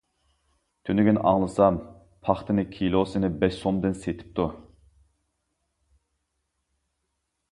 تۈنۈگۈن ئاڭلىسام پاختىنى كىلوسىنى بەش سومدىن سېتىپتۇ.